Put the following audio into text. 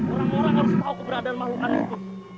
orang orang harus tau keberadaan makhluk anak itu